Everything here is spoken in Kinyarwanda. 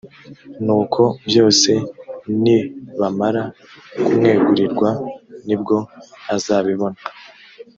nuko byose nibamara kumwegurirwa ni bwo azabibona